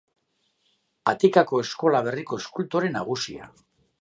Atikako eskola berriko eskultore nagusia.